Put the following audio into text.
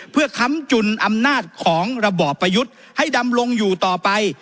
เพื่อค้ำจุนอำนาจของระบอบประยุทธ์ให้ดำลงอยู่ต่อไป